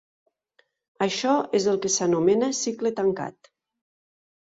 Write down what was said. Això és el que s'anomena cicle tancat.